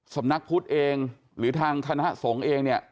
สำนักพุทธเองหรือทางคณะสงฆ์เองเนี่ย